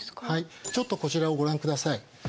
はいちょっとこちらをご覧ください。